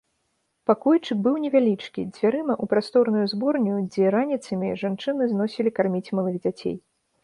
Пакойчык быў невялічкі, дзвярыма ў прасторную зборню, дзе раніцамі жанчыны зносілі карміць малых дзяцей.